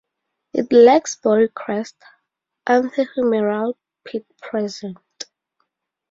It lacks body crest, antehumeral pit present.